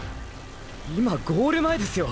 今“ゴール前”ですよ